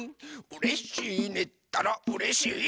「うれしいねったらうれしいよ」